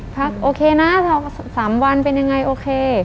พักโอเคนะสามวันเป็นยังไงโอเค